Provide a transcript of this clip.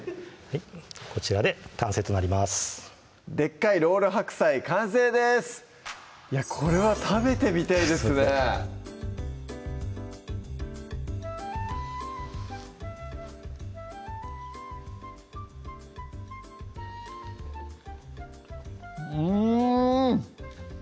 こちらで完成となります「でっかいロール白菜」完成ですいやこれは食べてみたいですねうん！